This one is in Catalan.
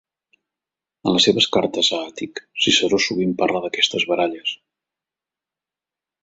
En les seves cartes a Àtic, Ciceró sovint parla d'aquestes baralles.